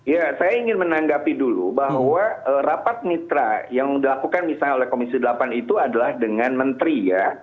ya saya ingin menanggapi dulu bahwa rapat mitra yang dilakukan misalnya oleh komisi delapan itu adalah dengan menteri ya